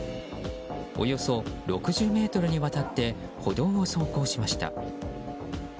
およそ６０ｍにわたって歩道を走行しました。